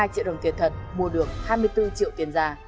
hai triệu đồng tiền thật mua được hai mươi triệu đồng